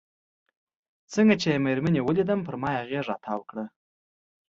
څنګه چې مېرمنې یې ولیدم پر ما یې غېږ را وتاو کړل.